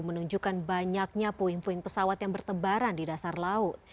menunjukkan banyaknya puing puing pesawat yang bertebaran di dasar laut